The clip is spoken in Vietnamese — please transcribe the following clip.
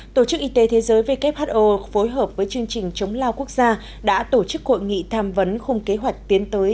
tổ chức y tế thế giới who phối hợp với chương trình chống lao quốc gia đã tổ chức hội nghị tham vấn khung kế hoạch tiến tới